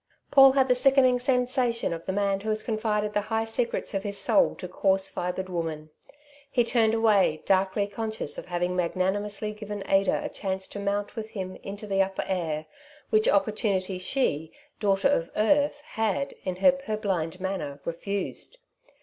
Paul had the sickening sensation of the man who has confided the high secrets of his soul to coarsefibred woman. He turned away, darkly conscious of having magnanimously given Ada a chance to mount with him into the upper air, which opportunity she, daughter of earth, had, in her purblind manner, refused.